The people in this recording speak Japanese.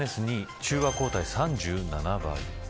中和抗体３７倍。